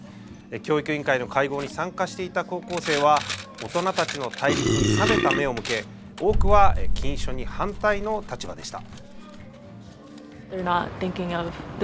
教育委員会の会合に参加していた高校生は大人たちの対立に冷めた目を向け多くは禁書に反対の立場でした。